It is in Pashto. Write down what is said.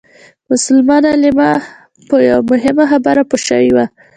مسلمان علما په یوه مهمه خبره پوه شوي وو.